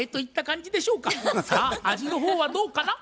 さあ味の方はどうかな？